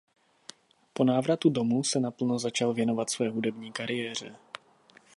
Po návratu domů se naplno začal věnovat své hudební kariéře.